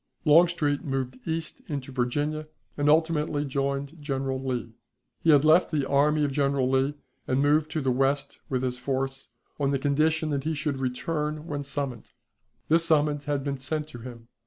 Longstreet moved east into Virginia, and ultimately joined General Lee. He had left the army of General Lee, and moved to the West with his force, on the condition that he should return when summoned. This summons had been sent to him.